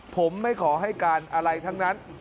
ผมไม่ขอให้การอะไรทั้งนั้น